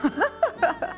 ハハハハ。